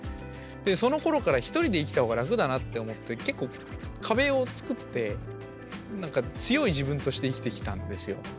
でそのころから一人で生きた方が楽だなって思って結構壁をつくってなんか強い自分として生きてきたんですよ。